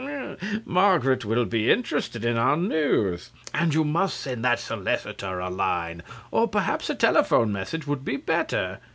Margaret will be interested in our news. And you must send that solicitor a line or perhaps a telephone message would be better.